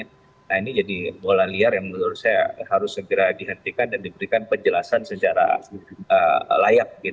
nah ini jadi bola liar yang menurut saya harus segera dihentikan dan diberikan penjelasan secara layak